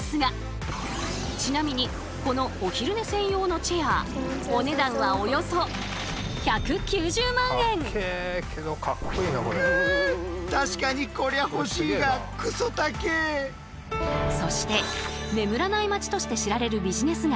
ちなみにこのお昼寝専用のチェアお値段はおよそそして眠らない街として知られるビジネス街